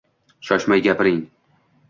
Shoshmay gapiring…